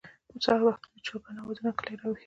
سهار وختي د چرګانو اوازونه کلى راويښوي.